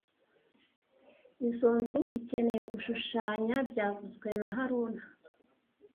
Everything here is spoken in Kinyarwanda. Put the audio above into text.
Izoi nzu ikeneye gushushanya byavuzwe na haruna